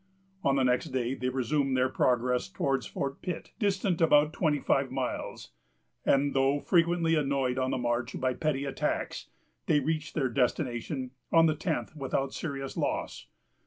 On the next day they resumed their progress towards Fort Pitt, distant about twenty five miles; and, though frequently annoyed on the march by petty attacks, they reached their destination, on the tenth, without serious loss.